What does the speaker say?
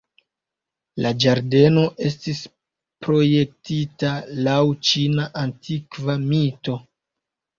La ĝardeno estis projektita laŭ ĉina antikva mito.